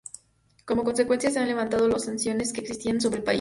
Como consecuencia, se han levantado las sanciones que existían sobre el país.